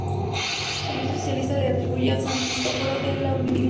El mismo especialista le atribuye el "San Cristoforo" de la última iglesia.